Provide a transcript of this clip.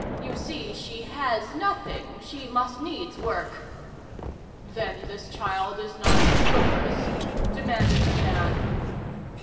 You see, she has nothing; she must needs work." "Then this child is not yours?" demanded the man.